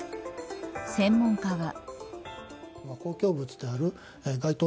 専門家は。